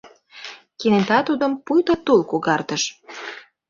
Кенета тудым пуйто тул когартыш.